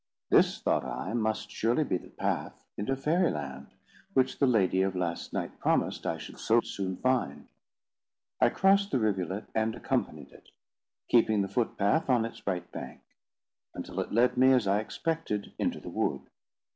"This," thought I, "must surely be the path into Fairy Land, which the lady of last night promised I should so soon find." I crossed the rivulet, and accompanied it, keeping the footpath on its right bank, until it led me, as I expected, into the wood.